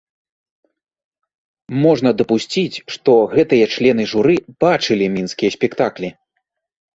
Можна дапусціць, што гэтыя члены журы бачылі мінскія спектаклі.